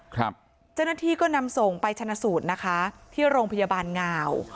เจ้าหน้าที่ก็นำส่งไปชนะสูตรนะคะที่โรงพยาบาลงาว